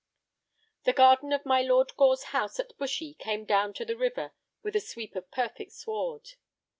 The garden of my Lord Gore's house at Bushy came down to the river with a sweep of perfect sward.